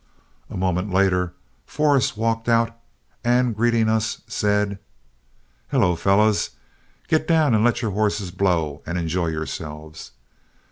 A moment later, Forrest walked out, and greeting us, said: "Hello, fellows. Get down and let your horses blow and enjoy yourselves.